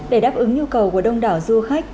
để đáp ứng nhu cầu của đông đảo du khách